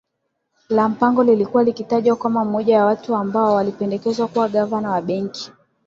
la Mpango lilikuwa likitajwa kama mmoja wa watu ambao walipendekezwa kuwa Gavana wa Benki